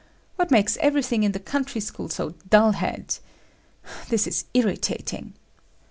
What makes everything in the country school so dull head. This is irritating!"